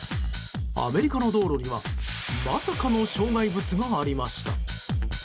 アメリカの道路にはまさかの障害物がありました。